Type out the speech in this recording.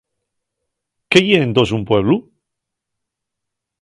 ¿Qué ye entós un pueblu?